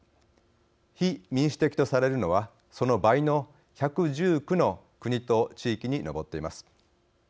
非民主的とされるのはその倍の１１９の国と地域に上っています。